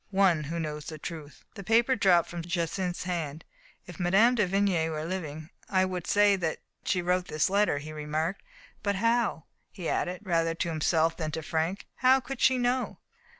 "One Who Knows the Truth." The paper dropped from Jacynth's hands. "If Mme. de Vigny were living I should say that she wrote this letter," he remarked. "But how," he added, rather to himself than to Frank, "how could she know?"